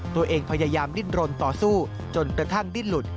ตัวเองพยายามดิ้นรนต่อสู้จนกระทั่งดิ้นหลุด